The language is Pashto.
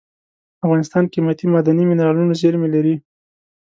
افغانستان قیمتي معدني منرالونو زیرمې لري.